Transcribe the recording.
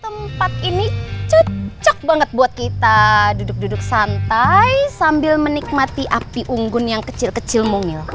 tempat ini cocok banget buat kita duduk duduk santai sambil menikmati api unggun yang kecil kecil mungil